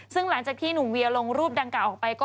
ซึ่งหลังจากที่หนุ่มเวียลงรูปดังกล่าออกไป